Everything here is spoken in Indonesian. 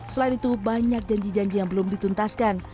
selain itu banyak janji janji yang belum dituntaskan